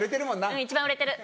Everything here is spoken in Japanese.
うん一番売れてる。